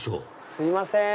すいません。